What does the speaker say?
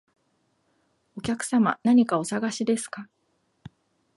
お客様、何かお探しですか？